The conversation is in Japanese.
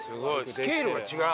スケールが違う。